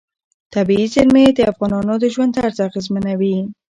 طبیعي زیرمې د افغانانو د ژوند طرز اغېزمنوي.